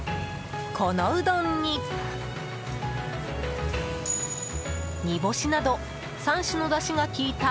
このうどんに煮干しなど３種のだしがきいた